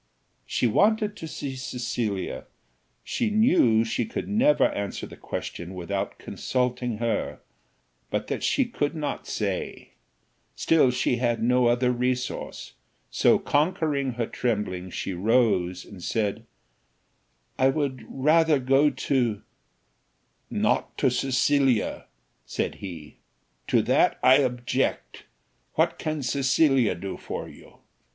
She wanted to see Cecilia, she knew she could never answer the question without consulting her, but that she could not say; still she had no other resource, so, conquering her trembling, she rose and said, "I would rather go to " "Not to Cecilia," said he; "to that I object: what can Cecilia do for you?